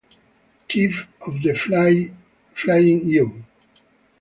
Chip of the Flying U